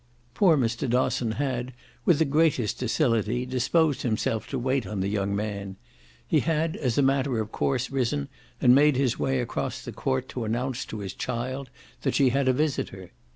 Poor Mr. Dosson had with the greatest docility disposed himself to wait on the young man: he had as a matter of course risen and made his way across the court to announce to his child that she had a visitor.